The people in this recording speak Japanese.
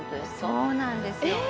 そうなんですよえ！